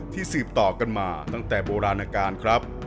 สืบต่อกันมาตั้งแต่โบราณการครับ